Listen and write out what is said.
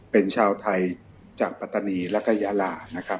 เป็นชาวไทยจากปตนีและก็ยาหล่านะครับ